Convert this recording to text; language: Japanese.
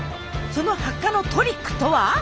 その発火のトリックとは？